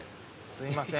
すいません